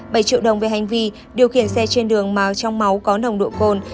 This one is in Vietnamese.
bảy triệu đồng về hành vi điều khiển xe trên đường màu trong máu có nồng độ cồn